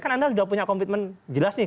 kan anda sudah punya komitmen jelas nih